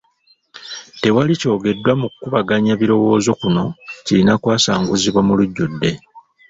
Tewali kyogeddwa mu kubaganya birowoozo kuno kirina kwasanguzibwa mu lujjudde.